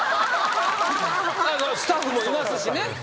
スタッフもいますしね。